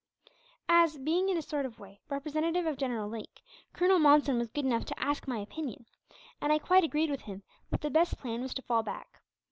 "As being, in a sort of way, representative of General Lake, Colonel Monson was good enough to ask my opinion; and I quite agreed with him that the best plan was to fall back.